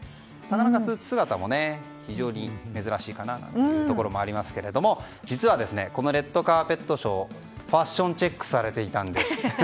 スーツ姿も珍しいかなというところもありますが実は、レッドカーペットショーファッションチェックをされていたんです。